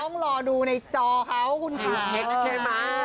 ต้องรอดูในจอเขาคุณเขียนเช็คใช่ไหม